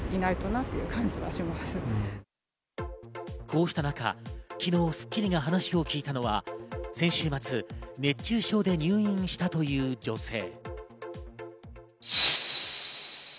こうした中、昨日『スッキリ』が話を聞いたのは、先週末、熱中症で入院したという女性。